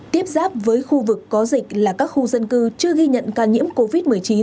tiếp giáp với khu vực có dịch là các khu dân cư chưa ghi nhận ca nhiễm covid một mươi chín